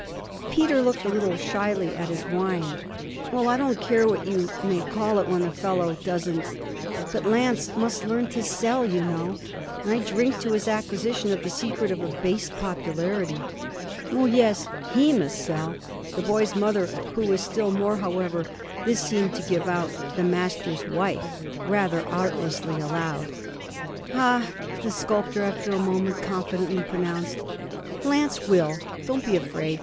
Peter looked a little shyly at his wine. 'Well I don't care what you may call it when a fellow doesn't but Lance must learn to sell, you know. I drink to his acquisition of the secret of a base popularity!' 'Oh yes, he must sell,' the boy's mother, who was still more, however, this seemed to give out, the Master's wife, rather artlessly allowed. 'Ah,' the sculptor after a moment confidently pronounced, 'Lance will. Don't be afraid.